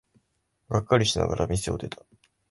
がっかりしながら店を出た。